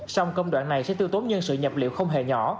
xong công đoạn này sẽ tiêu tốn nhân sự nhập liệu không hề nhỏ